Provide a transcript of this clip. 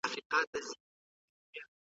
لښتې په شنو خالونو د یخنۍ لړزه حس کړه.